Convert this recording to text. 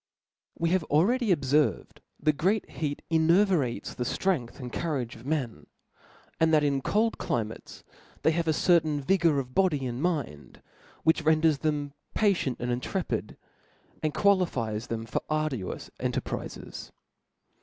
WE have already obferved that great heat enervates the ftrength and courage of men, and that in cold climates they have a certain vigor of body and mind, which renders them patidnt and intrepidf and qualifies them for arduous cq terprizes.